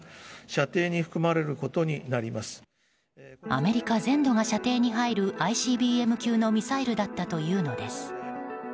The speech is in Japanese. アメリカ全土が射程に入るＩＣＢＭ級のミサイルだったというのです。